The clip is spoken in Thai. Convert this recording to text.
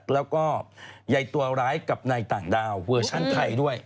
แล้วก็ใยตัวร้ายกับในต่างดาวเวอร์ชั่นไทยด้วย